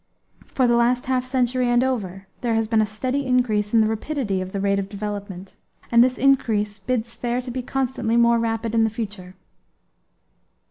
For the last half century and over there has been a steady increase in the rapidity of the rate of development; and this increase bids fair to be constantly more rapid in the future.